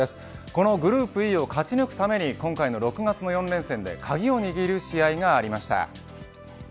このグループＥを勝ち抜くために今回の６月の４連戦で鍵を握る試合がありました。